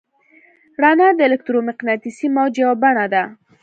رڼا د الکترومقناطیسي موج یوه بڼه ده.